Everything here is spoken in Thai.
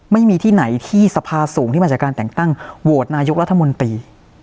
ไม่มีที่ไหนที่สภาสูงที่มาจากการแต่งตั้งโหวตนายกรัฐมนตรี